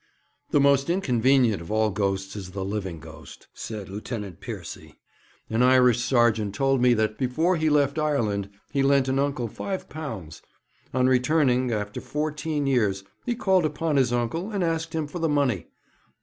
'The most inconvenient of all ghosts is the living ghost,' said Lieutenant Piercy. 'An Irish sergeant told me that, before he left Ireland, he lent an uncle five pounds. On returning, after fourteen years, he called upon his uncle, and asked him for the money.